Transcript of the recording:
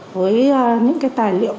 với những cái tài liệu